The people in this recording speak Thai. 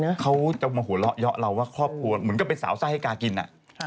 เขาจะมาหัวเราะเยาะเราว่าครอบครัวเหมือนกับเป็นสาวไส้ให้กากิน